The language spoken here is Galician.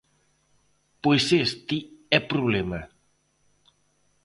Pois este é problema.